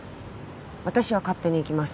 私は勝手に行きます